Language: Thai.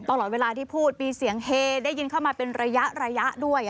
ตลอดเวลาที่พูดมีเสียงเฮได้ยินเข้ามาเป็นระยะด้วย